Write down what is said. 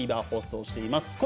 放送しています。